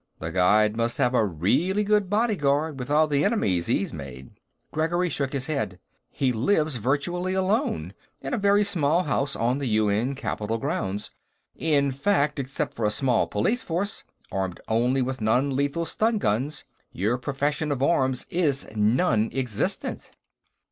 "The Guide must have a really good bodyguard, with all the enemies he's made." Gregory shook his head. "He lives virtually alone, in a very small house on the UN Capitol grounds. In fact, except for a small police force, armed only with non lethal stun guns, your profession of arms is non existent."